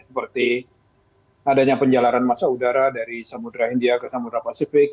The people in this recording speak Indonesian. seperti adanya penjalaran masa udara dari samudera india ke samudera pasifik